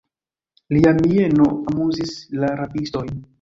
Lia mieno amuzis la rabistojn.